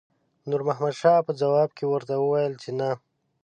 نور محمد شاه په ځواب کې ورته وویل چې نه.